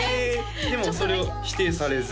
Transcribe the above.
でもそれを否定されず？